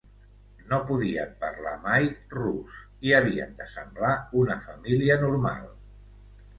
No podien parlar mai rus i havien de semblar una família normal.